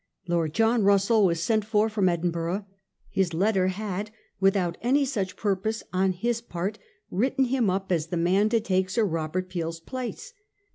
Lord John Russell was sent for from Edin burgh. His letter had without any such purpose on his part written him up as the man to take Sir Robert Peel's place.